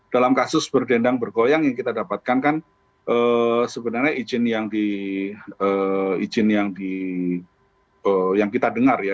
dalam kasus berdendang bergoyang yang kita dapatkan kan sebenarnya izin yang kita dengar ya